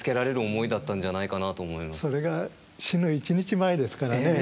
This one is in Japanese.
それが死ぬ１日前ですからね。